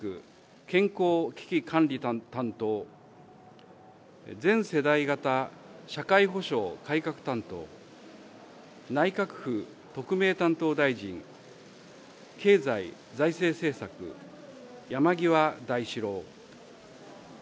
健康危機管理担当、全世代型社会保障改革担当、内閣府特命担当大臣、経済財政政策、山際大志郎。